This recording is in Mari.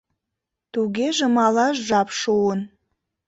— Тугеже малаш жап шуын.